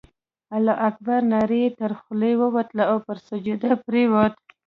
الله اکبر ناره یې تر خولې ووتله او پر سجده پرېوت.